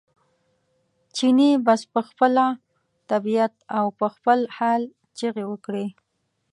چیني بس په خپله طبعیت او په خپل حال چغې وکړې.